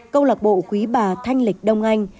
công lạc bộ quý bà thanh lịch đông anh